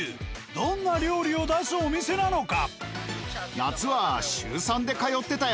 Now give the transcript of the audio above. どんな料理を出すお店なのか？